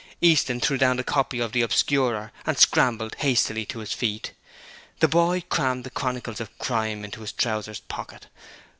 Easton threw down the copy of the Obscurer and scrambled hastily to his feet. The boy crammed the Chronicles of Crime into his trousers pocket.